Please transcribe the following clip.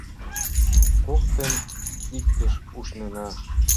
Коктын иктыш ушнена.